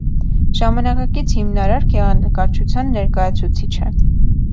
Ժամանակակից հիմնարար գեղանկարչության ներկայացուցիչ է։